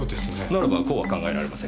ならばこうは考えられませんか？